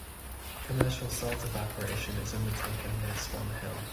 Commercial salt evaporation is undertaken near Swan Hill.